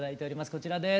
こちらです！